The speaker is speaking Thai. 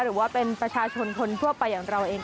หรือว่าเป็นประชาชนคนทั่วไปอย่างเราเอง